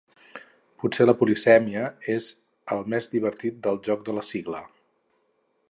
Potser la polisèmia és el més divertit del joc de la sigla.